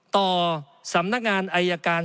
ต่อสำนักงานอายการ